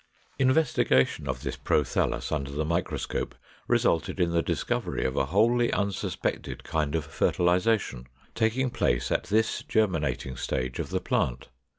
] 490. Investigation of this prothallus under the microscope resulted in the discovery of a wholly unsuspected kind of fertilization, taking place at this germinating stage of the plant.